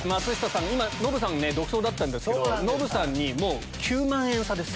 ノブさん独走だったんですけどノブさんに９万円差です。